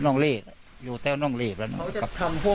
หมอรัฐได้รู้จักหมอนรัฐไม่นะ